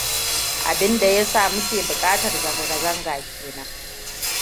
Abinda ya sa mu ke buƙatar zanga-zanga kenan.